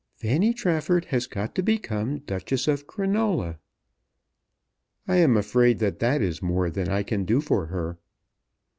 Fanny Trafford has got to become Duchess of Crinola." "I am afraid that that is more than I can do for her."